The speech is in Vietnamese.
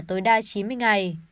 tối đa chín mươi ngày